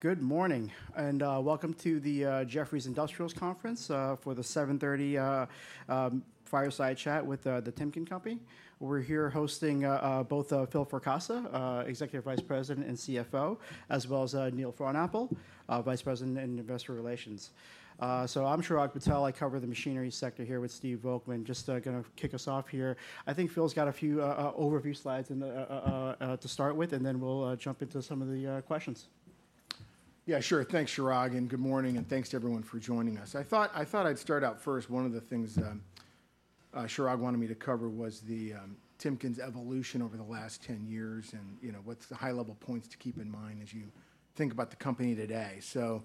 Good morning, and welcome to the Jefferies Industrials Conference for the 7:30 A.M. fireside chat with the Timken Company. We're here hosting both Phil Fracassa, Executive Vice President and CFO, as well as Neil Frohnapple, Vice President in Investor Relations. So I'm Chirag Patel. I cover the machinery sector here with Steve Volkmann. Just gonna kick us off here. I think Phil's got a few overview slides to start with, and then we'll jump into some of the questions. Yeah, sure. Thanks, Chirag, and good morning, and thanks to everyone for joining us. I thought I'd start out first, one of the things Chirag wanted me to cover was the Timken's evolution over the last ten years, and, you know, what's the high-level points to keep in mind as you think about the company today. So,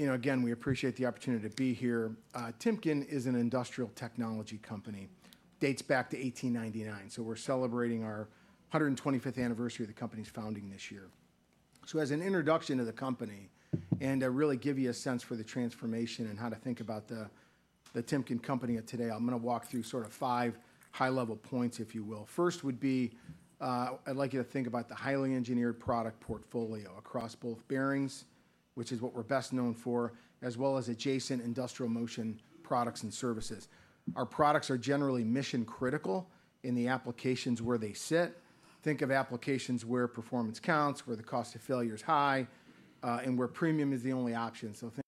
you know, again, we appreciate the opportunity to be here. Timken is an industrial technology company, dates back to eighteen ninety-nine, so we're celebrating our 125th anniversary of the company's founding this year. So as an introduction to the company and to really give you a sense for the transformation and how to think about the Timken Company of today, I'm gonna walk through sort of five high-level points, if you will. First would be, I'd like you to think about the highly engineered product portfolio across both bearings, which is what we're best known for, as well as adjacent industrial motion products and services. Our products are generally mission critical in the applications where they sit. Think of applications where performance counts, where the cost of failure is high, and where premium is the only option. So think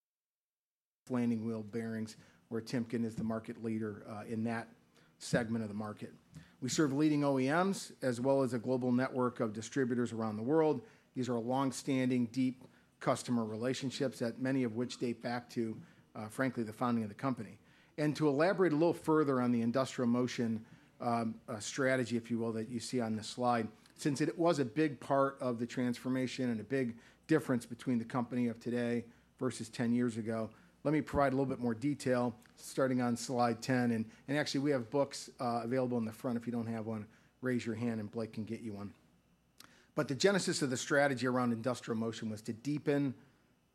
landing wheel bearings, where Timken is the market leader, in that segment of the market. We serve leading OEMs as well as a global network of distributors around the world. These are long-standing, deep customer relationships, that many of which date back to, frankly, the founding of the company. To elaborate a little further on the industrial motion strategy, if you will, that you see on this slide, since it was a big part of the transformation and a big difference between the company of today versus 10 years ago, let me provide a little bit more detail starting on slide 10. Actually, we have books available in the front. If you don't have one, raise your hand and Blake can get you one. The genesis of the strategy around industrial motion was to deepen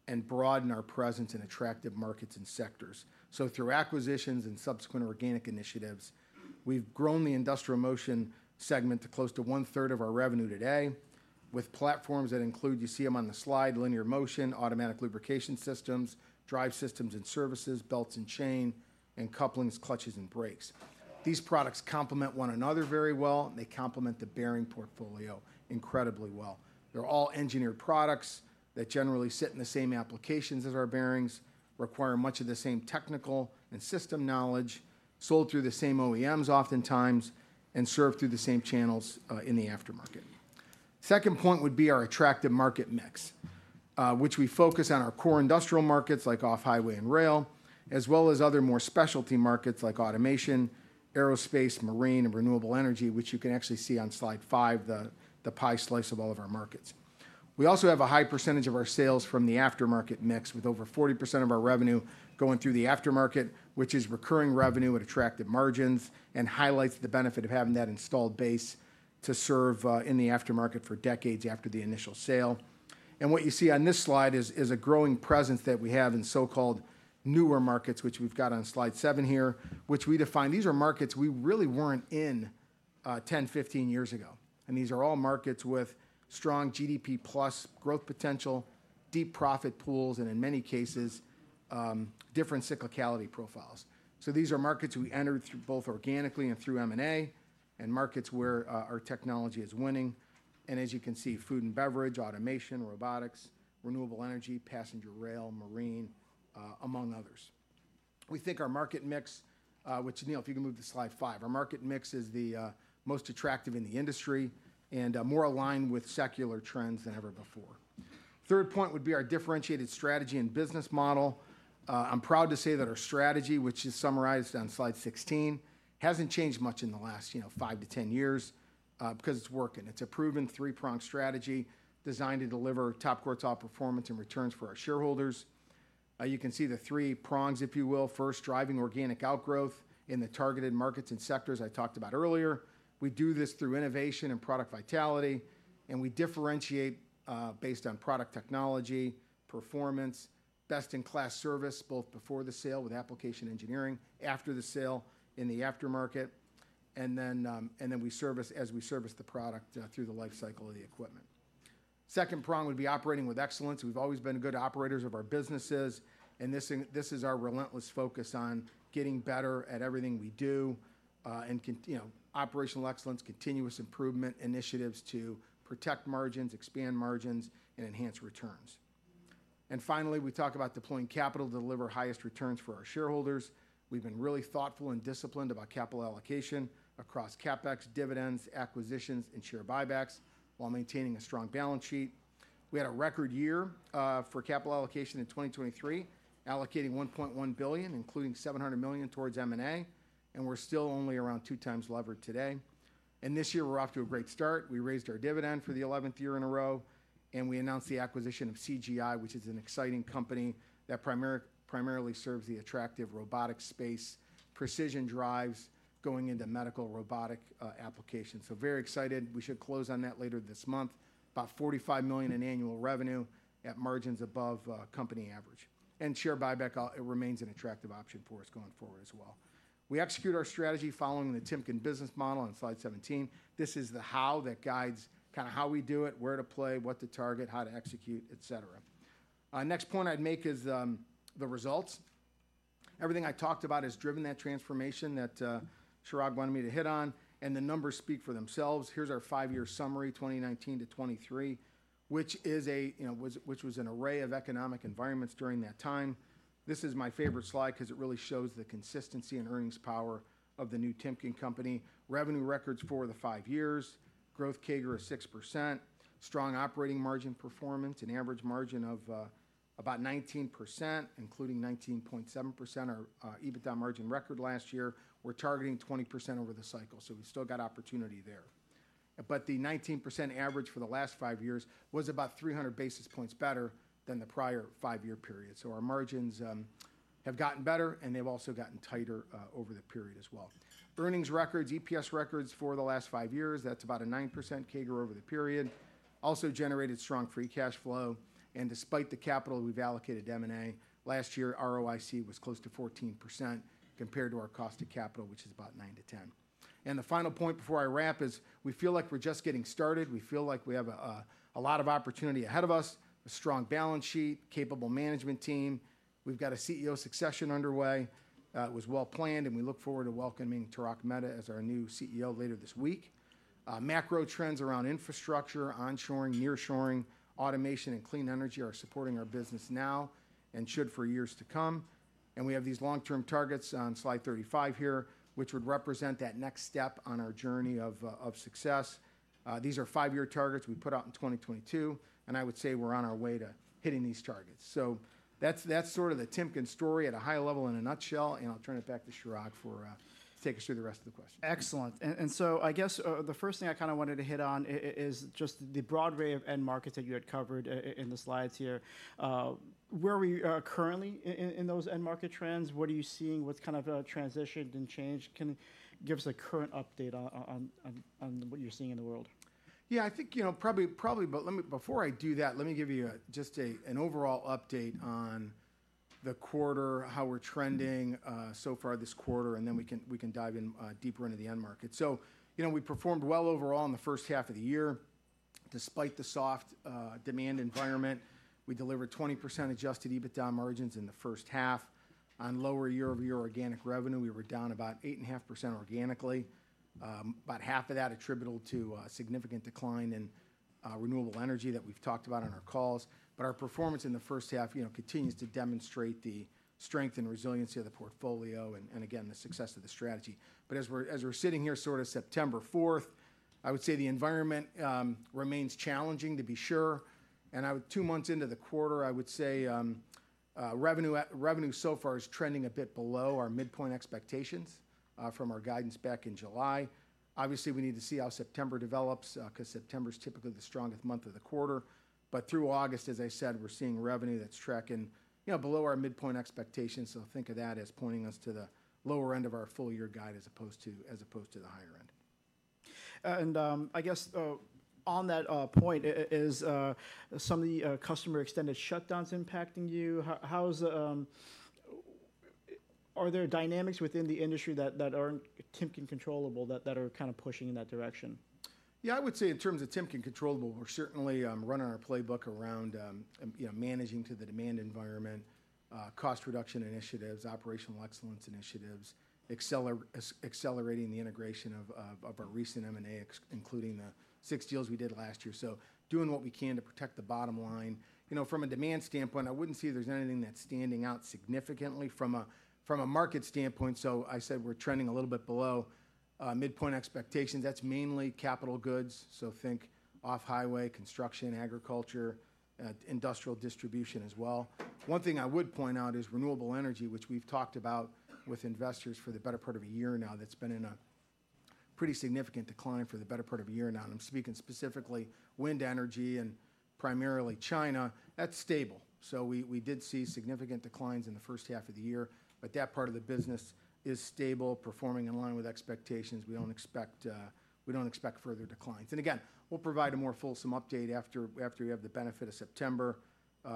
and broaden our presence in attractive markets and sectors. Through acquisitions and subsequent organic initiatives, we've grown the industrial motion segment to close to one-third of our revenue today, with platforms that include, you see them on the slide, linear motion, automatic lubrication systems, drive systems and services, belts and chain, and couplings, clutches and brakes. These products complement one another very well, and they complement the bearing portfolio incredibly well. They're all engineered products that generally sit in the same applications as our bearings, require much of the same technical and system knowledge, sold through the same OEMs oftentimes, and served through the same channels in the aftermarket. Second point would be our attractive market mix, which we focus on our core industrial markets like off-highway and rail, as well as other more specialty markets like automation, aerospace, marine, and renewable energy, which you can actually see on slide five, the pie slice of all of our markets. We also have a high percentage of our sales from the aftermarket mix, with over 40% of our revenue going through the aftermarket, which is recurring revenue at attractive margins and highlights the benefit of having that installed base to serve in the aftermarket for decades after the initial sale. What you see on this slide is a growing presence that we have in so-called newer markets, which we've got on slide seven here, which we define. These are markets we really weren't in 10, 15 years ago, and these are all markets with strong GDP+ growth potential, deep profit pools, and in many cases different cyclicality profiles. These are markets we entered through both organically and through M&A, and markets where our technology is winning, and as you can see, food and beverage, automation, robotics, renewable energy, passenger rail, marine, among others. We think our market mix, Neil, if you can move to slide five, is the most attractive in the industry and more aligned with secular trends than ever before. Third point would be our differentiated strategy and business model. I'm proud to say that our strategy, which is summarized on slide sixteen, hasn't changed much in the last, you know, five to 10 years, because it's working. It's a proven three-pronged strategy designed to deliver top quartile performance and returns for our shareholders. You can see the three prongs, if you will. First, driving organic outgrowth in the targeted markets and sectors I talked about earlier. We do this through innovation and product vitality, and we differentiate based on product technology, performance, best-in-class service, both before the sale with application engineering, after the sale in the aftermarket, and then we service as we service the product through the lifecycle of the equipment. Second prong would be operating with excellence. We've always been good operators of our businesses, and this is our relentless focus on getting better at everything we do, and you know, operational excellence, continuous improvement initiatives to protect margins, expand margins, and enhance returns. Finally, we talk about deploying capital to deliver highest returns for our shareholders. We've been really thoughtful and disciplined about capital allocation across CapEx, dividends, acquisitions, and share buybacks while maintaining a strong balance sheet. We had a record year for capital allocation in 2023, allocating $1.1 billion, including $700 million towards M&A, and we're still only around 2x levered today. This year, we're off to a great start. We raised our dividend for the eleventh year in a row, and we announced the acquisition of CGI, which is an exciting company that primarily serves the attractive robotics space, precision drives going into medical robotic applications. So very excited. We should close on that later this month. About $45 million in annual revenue at margins above company average. Share buyback remains an attractive option for us going forward as well. We execute our strategy following the Timken business model on slide 17. This is the how that guides kind of how we do it, where to play, what to target, how to execute, etc. Next point I'd make is the results. Everything I talked about has driven that transformation that Chirag wanted me to hit on, and the numbers speak for themselves. Here's our five-year summary, 2019-2023, which, you know, was an array of economic environments during that time. This is my favorite slide 'cause it really shows the consistency and earnings power of the new Timken Company. Revenue records four of the five years, growth CAGR of 6%, strong operating margin performance, an average margin of about 19%, including 19.7%, our EBITDA margin record last year. We're targeting 20% over the cycle, so we've still got opportunity there. But the 19% average for the last five years was about 300 basis points better than the prior five-year period. So our margins have gotten better, and they've also gotten tighter over the period as well. Earnings records, EPS records for the last five years, that's about a 9% CAGR over the period, also generated strong free cash flow, and despite the capital we've allocated to M&A, last year, ROIC was close to 14% compared to our cost of capital, which is about 9 to 10. And the final point before I wrap is, we feel like we're just getting started. We feel like we have a lot of opportunity ahead of us, a strong balance sheet, capable management team. We've got a CEO succession underway. It was well-planned, and we look forward to welcoming Tarak Mehta as our new CEO later this week. Macro trends around infrastructure, onshoring, nearshoring, automation, and clean energy are supporting our business now and should for years to come, and we have these long-term targets on slide 35 here, which would represent that next step on our journey of success. These are five-year targets we put out in 2022, and I would say we're on our way to hitting these targets. So that's sort of the Timken story at a high level in a nutshell, and I'll turn it back to Chirag for to take us through the rest of the questions. Excellent. And so I guess the first thing I kinda wanted to hit on is just the broad array of end markets that you had covered in the slides here. Where are we currently in those end market trends? What are you seeing? What's kind of transitioned and changed? Can you give us a current update on what you're seeing in the world? Yeah, I think, you know, probably, but let me before I do that, let me give you just an overall update on the quarter, how we're trending so far this quarter, and then we can dive in deeper into the end market. So, you know, we performed well overall in the first half of the year. Despite the soft demand environment, we delivered 20% Adjusted EBITDA margins in the first half. On lower year-over-year organic revenue, we were down about 8.5% organically. About half of that attributable to a significant decline in renewable energy that we've talked about on our calls. But our performance in the first half, you know, continues to demonstrate the strength and resiliency of the portfolio and again, the success of the strategy. But as we're sitting here, sort of 4th September, I would say the environment remains challenging, to be sure, and two months into the quarter, I would say revenue so far is trending a bit below our midpoint expectations from our guidance back in July. Obviously, we need to see how September develops, 'cause September is typically the strongest month of the quarter. But through August, as I said, we're seeing revenue that's tracking, you know, below our midpoint expectations, so think of that as pointing us to the lower end of our full year guide, as opposed to the higher end. I guess, on that point, is some of the customer extended shutdowns impacting you? Are there dynamics within the industry that aren't Timken controllable, that are kind of pushing in that direction? Yeah, I would say in terms of Timken controllable, we're certainly running our playbook around you know, managing to the demand environment, cost reduction initiatives, operational excellence initiatives, accelerating the integration of our recent M&A, including the six deals we did last year. So doing what we can to protect the bottom line. You know, from a demand standpoint, I wouldn't say there's anything that's standing out significantly from a market standpoint. So I said we're trending a little bit below midpoint expectations. That's mainly capital goods, so think off-highway, construction, agriculture, industrial distribution as well. One thing I would point out is renewable energy, which we've talked about with investors for the better part of a year now, that's been in a pretty significant decline for the better part of a year now. And I'm speaking specifically wind energy and primarily China. That's stable, so we did see significant declines in the first half of the year, but that part of the business is stable, performing in line with expectations. We don't expect further declines. And again, we'll provide a more fulsome update after we have the benefit of September,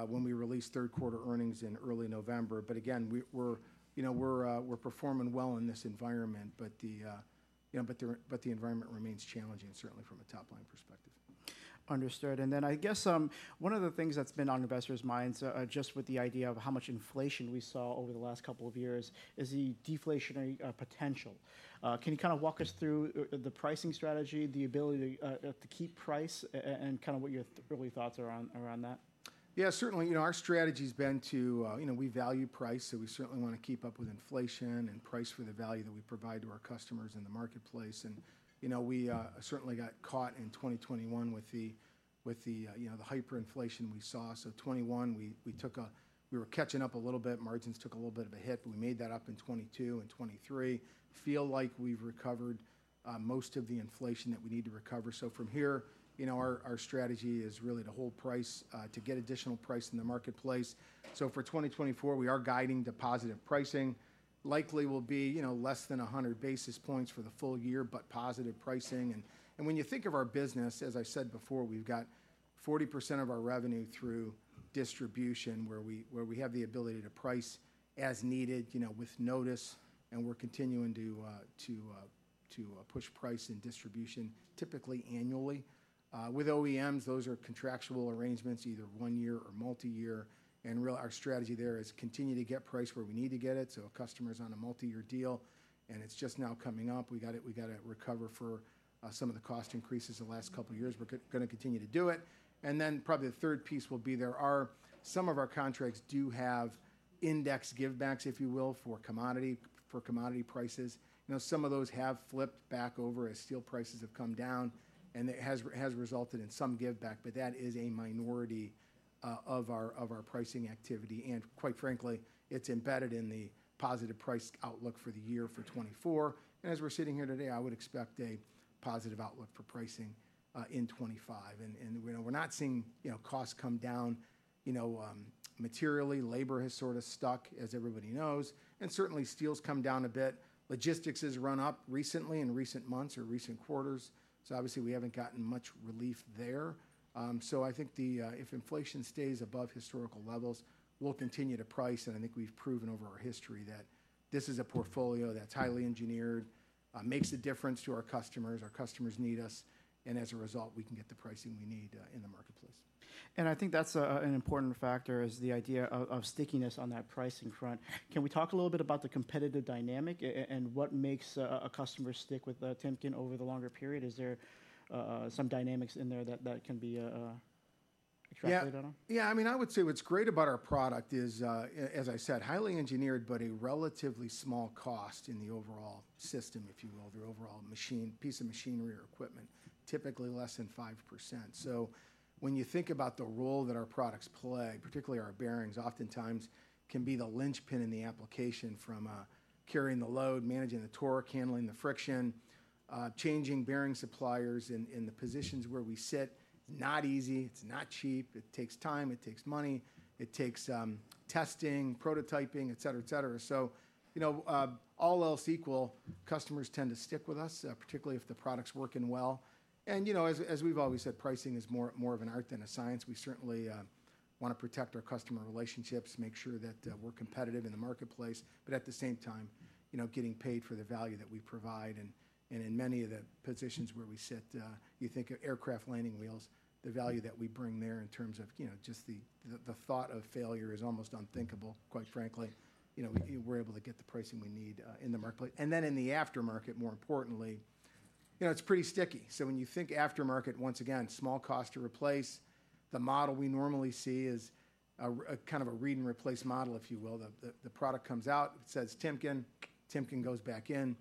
when we release third quarter earnings in early November. But again, you know, we're performing well in this environment, but, you know, the environment remains challenging, certainly from a top-line perspective. Understood. And then I guess, one of the things that's been on investors' minds, just with the idea of how much inflation we saw over the last couple of years, is the deflationary potential. Can you kind of walk us through the pricing strategy, the ability to keep price, and kind of what your early thoughts are around that? Yeah, certainly. You know, our strategy's been to, you know, we value price, so we certainly wanna keep up with inflation and price for the value that we provide to our customers in the marketplace. And, you know, we certainly got caught in 2021 with the hyperinflation we saw. So 2021 we were catching up a little bit. Margins took a little bit of a hit, but we made that up in 2022 and 2023. Feel like we've recovered most of the inflation that we need to recover. So from here, you know, our strategy is really to hold price to get additional price in the marketplace. So for 2024, we are guiding to positive pricing. Likely will be, you know, less than 100 basis points for the full year, but positive pricing. And when you think of our business, as I said before, we've got 40% of our revenue through distribution, where we have the ability to price as needed, you know, with notice, and we're continuing to push price and distribution, typically annually. With OEMs, those are contractual arrangements, either one year or multi-year, and really our strategy there is continue to get price where we need to get it. So if a customer's on a multi-year deal, and it's just now coming up, we gotta recover for some of the cost increases the last couple of years. We're gonna continue to do it. And then probably the third piece will be there are some of our contracts do have index give backs, if you will, for commodity prices. You know, some of those have flipped back over as steel prices have come down, and it has resulted in some give back, but that is a minority of our pricing activity. And quite frankly, it's embedded in the positive price outlook for the year for 2024. And as we're sitting here today, I would expect a positive outlook for pricing in 2025. And, you know, we're not seeing costs come down materially. Labor has sort of stuck, as everybody knows, and certainly steel's come down a bit. Logistics has run up recently in recent months or recent quarters, so obviously we haven't gotten much relief there. If inflation stays above historical levels, we'll continue to price, and I think we've proven over our history that this is a portfolio that's highly engineered, makes a difference to our customers, our customers need us, and as a result, we can get the pricing we need, in the marketplace. And I think that's an important factor, is the idea of stickiness on that pricing front. Can we talk a little bit about the competitive dynamic and what makes a customer stick with Timken over the longer period? Is there some dynamics in there that can be expanded on? Yeah. Yeah, I mean, I would say what's great about our product is, as I said, highly engineered, but a relatively small cost in the overall system, if you will, the overall piece of machinery or equipment, typically less than 5%. So when you think about the role that our products play, particularly our bearings, oftentimes can be the linchpin in the application from carrying the load, managing the torque, handling the friction. Changing bearing suppliers in the positions where we sit, it's not easy, it's not cheap, it takes time, it takes money, it takes testing, prototyping, etc. So, you know, all else equal, customers tend to stick with us, particularly if the product's working well. And, you know, as we've always said, pricing is more of an art than a science. We certainly wanna protect our customer relationships, make sure that we're competitive in the marketplace, but at the same time, you know, getting paid for the value that we provide. And in many of the positions where we sit, you think of aircraft landing wheels, the value that we bring there in terms of, you know, just the thought of failure is almost unthinkable, quite frankly. You know, we're able to get the pricing we need in the marketplace. And then in the aftermarket, more importantly, you know, it's pretty sticky. So when you think aftermarket, once again, small cost to replace. The model we normally see is a kind of a read and replace model, if you will. The product comes out, it says Timken, Timken goes back in.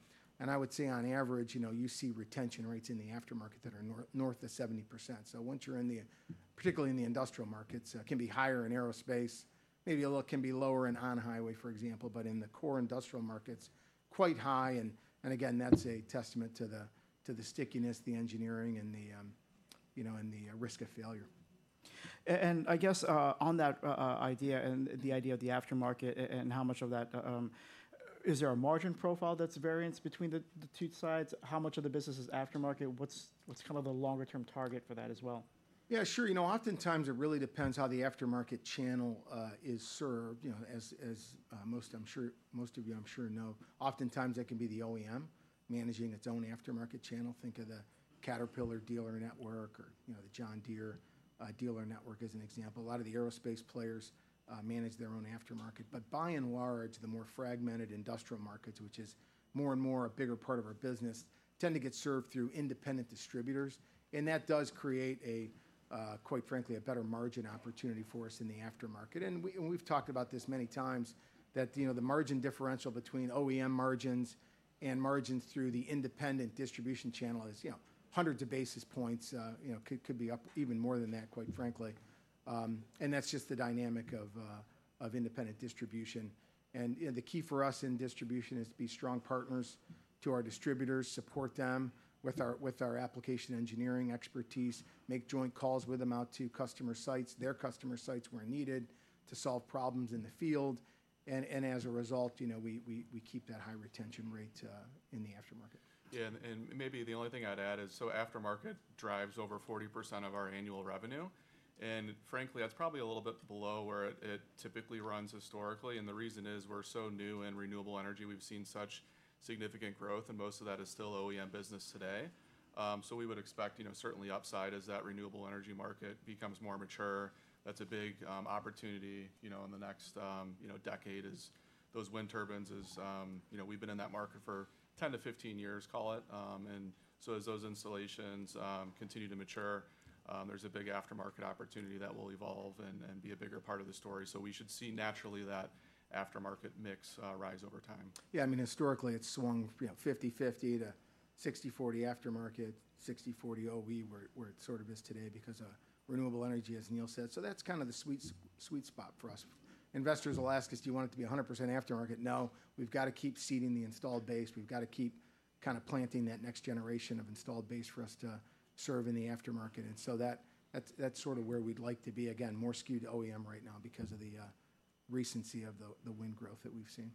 I would say on average, you know, you see retention rates in the aftermarket that are north of 70%. Once you're in the, particularly in the industrial markets, can be higher in aerospace, maybe a little, can be lower in on-highway, for example, but in the core industrial markets, quite high, and again, that's a testament to the stickiness, the engineering, and, you know, the risk of failure. I guess, on that idea, and the idea of the aftermarket and how much of that. Is there a margin profile that's variance between the two sides? How much of the business is aftermarket? What's kind of the longer term target for that as well? Yeah, sure. You know, oftentimes it really depends how the aftermarket channel is served. You know, as most of you, I'm sure, know, oftentimes that can be the OEM managing its own aftermarket channel. Think of the Caterpillar dealer network or, you know, the John Deere dealer network as an example. A lot of the aerospace players manage their own aftermarket. But by and large, the more fragmented industrial markets, which is more and more a bigger part of our business, tend to get served through independent distributors, and that does create a quite frankly a better margin opportunity for us in the aftermarket. And we've talked about this many times, that, you know, the margin differential between OEM margins and margins through the independent distribution channel is, you know, hundreds of basis points, you know, could be up even more than that, quite frankly. And that's just the dynamic of independent distribution. And the key for us in distribution is to be strong partners to our distributors, support them with our application engineering expertise, make joint calls with them out to customer sites, their customer sites, where needed, to solve problems in the field. And as a result, you know, we keep that high retention rate in the aftermarket. Yeah, and maybe the only thing I'd add is, so aftermarket drives over 40% of our annual revenue, and frankly, that's probably a little bit below where it typically runs historically. And the reason is, we're so new in renewable energy, we've seen such significant growth, and most of that is still OEM business today. So we would expect, you know, certainly upside as that renewable energy market becomes more mature. That's a big opportunity, you know, in the next decade, as those wind turbines is. You know, we've been in that market for 10-15 years, call it. And so as those installations continue to mature, there's a big aftermarket opportunity that will evolve and be a bigger part of the story. So we should see naturally that aftermarket mix rise over time. Yeah, I mean, historically, it's swung, you know, 50/50 to 60/40 aftermarket, 60/40 OE, where it sort of is today because of renewable energy, as Neil said. So that's kind of the sweet spot for us. Investors will ask us, "Do you want it to be 100% aftermarket?" No, we've got to keep seeding the installed base. We've got to keep kind of planting that next generation of installed base for us to serve in the aftermarket, and so that's sort of where we'd like to be. Again, more skewed to OEM right now because of the recency of the wind growth that we've seen.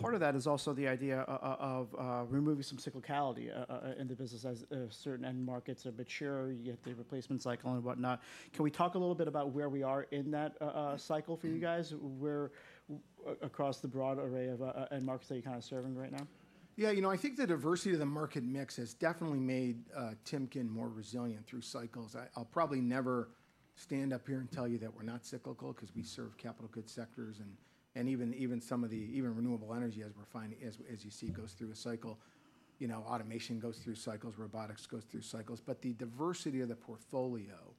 Part of that is also the idea of removing some cyclicality in the business as certain end markets are mature, you get the replacement cycle and whatnot. Can we talk a little bit about where we are in that cycle for you guys? Where across the broad array of end markets that you're kind of serving right now? Yeah, you know, I think the diversity of the market mix has definitely made Timken more resilient through cycles. I'll probably never stand up here and tell you that we're not cyclical 'cause we serve capital goods sectors, and even some of the renewable energy as we're finding, as you see, goes through a cycle. You know, automation goes through cycles, robotics goes through cycles. But the diversity of the portfolio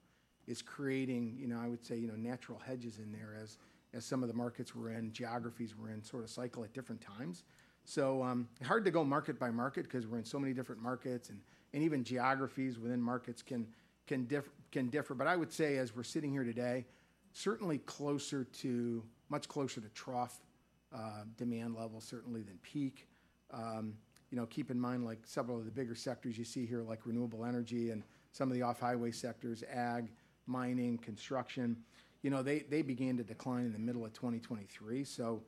is creating, you know, I would say, you know, natural hedges in there as some of the markets we're in, geographies we're in, sort of cycle at different times. So, hard to go market by market 'cause we're in so many different markets, and even geographies within markets can differ. But I would say, as we're sitting here today, certainly closer to, much closer to trough demand levels certainly than peak. You know, keep in mind, like several of the bigger sectors you see here, like renewable energy and some of the off-highway sectors, ag, mining, construction, you know, they began to decline in the middle of 2023. So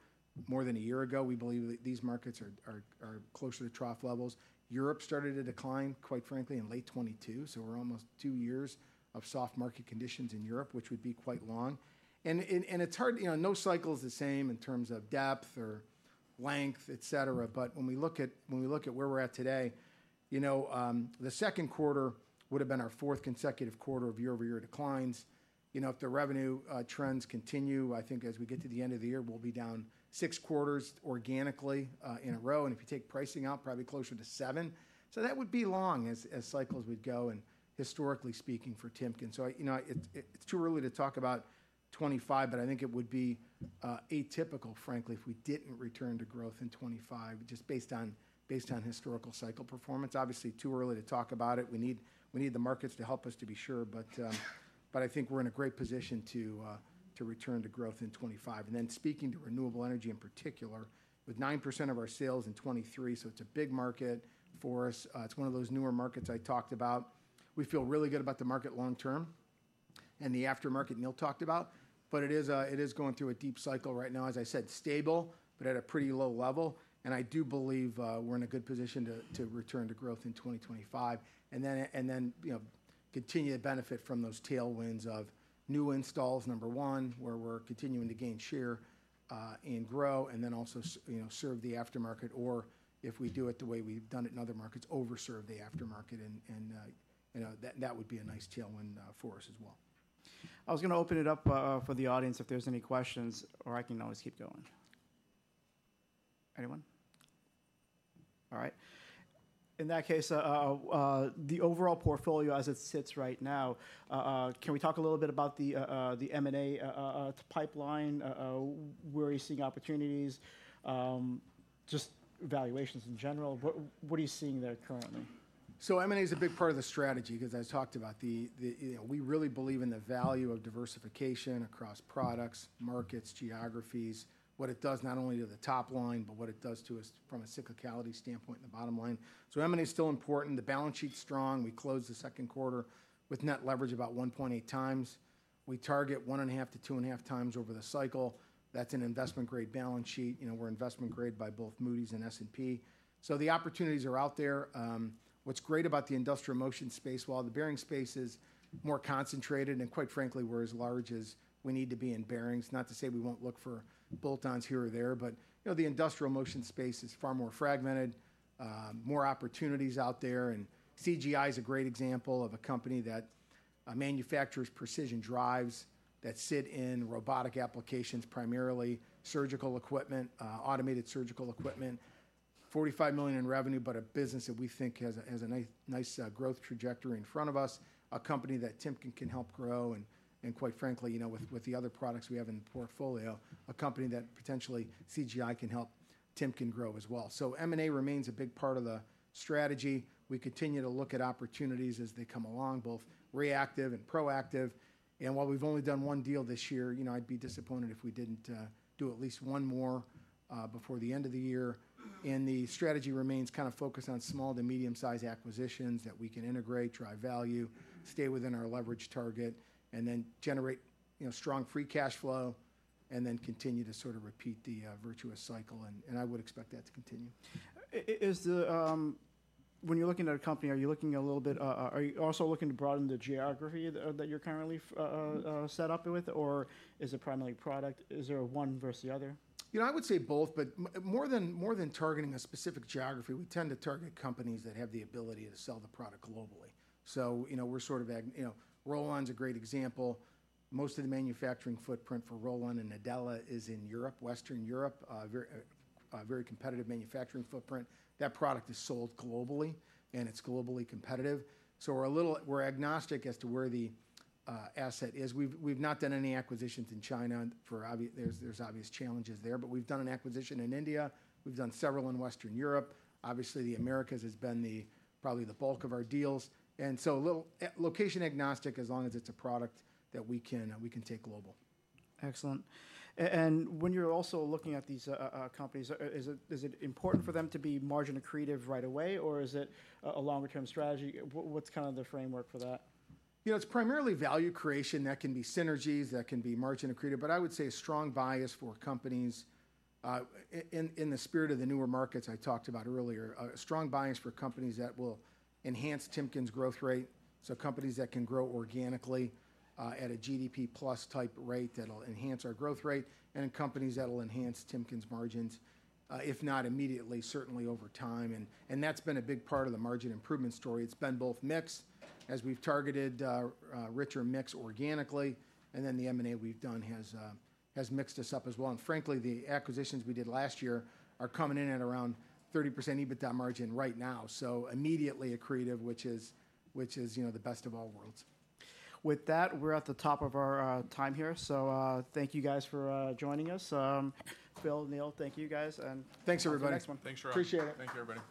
more than a year ago, we believe these markets are closer to trough levels. Europe started to decline, quite frankly, in late 2022, so we're almost two years of soft market conditions in Europe, which would be quite long. And it's hard. You know, no cycle is the same in terms of depth or length, etc., but when we look at where we're at today, you know, the second quarter would've been our fourth consecutive quarter of year-over-year declines. You know, if the revenue trends continue, I think as we get to the end of the year, we'll be down six quarters organically in a row, and if you take pricing out, probably closer to seven. So that would be long as cycles would go and historically speaking for Timken. So, you know, it's too early to talk about 2025, but I think it would be atypical, frankly, if we didn't return to growth in 2025, just based on historical cycle performance. Obviously, too early to talk about it. We need the markets to help us to be sure, but I think we're in a great position to return to growth in 2025. Then speaking to renewable energy in particular, with 9% of our sales in 2023, so it's a big market for us. It's one of those newer markets I talked about. We feel really good about the market long term and the aftermarket Neil talked about, but it is going through a deep cycle right now. As I said, stable, but at a pretty low level, and I do believe we're in a good position to return to growth in 2025. And then, you know, continue to benefit from those tailwinds of new installs, number one, where we're continuing to gain share and grow, and then also you know, serve the aftermarket, or if we do it the way we've done it in other markets, over-serve the aftermarket and you know, that would be a nice tailwind for us as well. I was gonna open it up for the audience if there's any questions, or I can always keep going. Anyone? All right. In that case, the overall portfolio as it sits right now, can we talk a little bit about the M&A pipeline? Where are you seeing opportunities? Just valuations in general. What are you seeing there currently? So M&A is a big part of the strategy because I talked about. You know, we really believe in the value of diversification across products, markets, geographies, what it does not only to the top line, but what it does to us from a cyclicality standpoint and the bottom line. So M&A is still important. The balance sheet's strong. We closed the second quarter with net leverage about 1.8x. We target 1.5x-2.5x over the cycle. That's an investment-grade balance sheet. You know, we're investment grade by both Moody's and S&P. So the opportunities are out there. What's great about the industrial motion space, while the bearing space is more concentrated, and quite frankly, we're as large as we need to be in bearings, not to say we won't look for bolt-ons here or there, but, you know, the industrial motion space is far more fragmented, more opportunities out there. And CGI is a great example of a company that manufactures precision drives that sit in robotic applications, primarily surgical equipment, automated surgical equipment. $45 million in revenue, but a business that we think has a nice growth trajectory in front of us, a company that Timken can help grow and, quite frankly, you know, with the other products we have in the portfolio, a company that potentially CGI can help Timken grow as well. So M&A remains a big part of the strategy. We continue to look at opportunities as they come along, both reactive and proactive. And while we've only done one deal this year, you know, I'd be disappointed if we didn't do at least one more before the end of the year. And the strategy remains kind of focused on small to medium-sized acquisitions that we can integrate, drive value, stay within our leverage target, and then generate, you know, strong free cash flow, and then continue to sort of repeat the virtuous cycle, and I would expect that to continue. When you're looking at a company, are you looking a little bit, are you also looking to broaden the geography that you're currently set up with, or is it primarily product? Is there a one versus the other? You know, I would say both, but more than targeting a specific geography, we tend to target companies that have the ability to sell the product globally. So, you know, we're sort of. You know, Rollon's a great example. Most of the manufacturing footprint for Rollon and Nadella is in Europe, Western Europe, a very competitive manufacturing footprint. That product is sold globally, and it's globally competitive. So we're a little agnostic as to where the asset is. We've not done any acquisitions in China. There's obvious challenges there, but we've done an acquisition in India. We've done several in Western Europe. Obviously, the Americas has been the, probably the bulk of our deals, and so a little location agnostic, as long as it's a product that we can take global. Excellent. And when you're also looking at these companies, is it important for them to be margin accretive right away, or is it a longer-term strategy? What's kind of the framework for that? You know, it's primarily value creation. That can be synergies, that can be margin accretive, but I would say a strong bias for companies in the spirit of the newer markets I talked about earlier, a strong bias for companies that will enhance Timken's growth rate, so companies that can grow organically at a GDP plus type rate that'll enhance our growth rate, and companies that'll enhance Timken's margins if not immediately, certainly over time. And that's been a big part of the margin improvement story. It's been both mix, as we've targeted richer mix organically, and then the M&A we've done has mixed us up as well. And frankly, the acquisitions we did last year are coming in at around 30% EBITDA margin right now. So immediately accretive, which is, you know, the best of all worlds. With that, we're at the top of our time here. So, thank you guys for joining us. Bill, Neil, thank you, guys, and. Thanks, everybody. On to the next one. Thanks, Chirag. Appreciate it. Thank you, everybody.